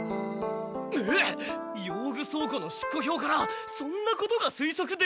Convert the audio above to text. えっ用具倉庫の出庫票からそんなことが推測できるんですか？